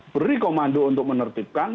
beri komando untuk menertibkan